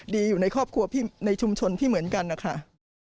อยู่ในครอบครัวในชุมชนที่เหมือนกันนะคะ